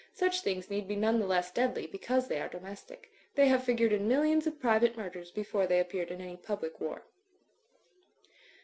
Such things need be none the less deadly because they are domestic. They have figured in millions of private murders before they appeared in any public war.